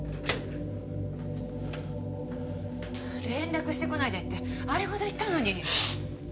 連絡してこないでってあれほど言ったのに。